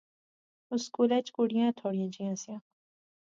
اس سکولے وچ کُڑیاں ایہہ تھوڑیاں جئیاں سیاں